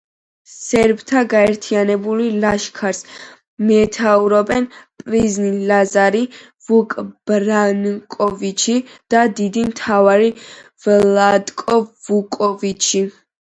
სერბთა გაერთიანებულ ლაშქარს მეთაურობდნენ პრინცი ლაზარი, ვუკ ბრანკოვიჩი და დიდი მთავარი ვლატკო ვუკოვიჩი.